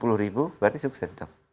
kalau sampai lebih dari sepuluh berarti sukses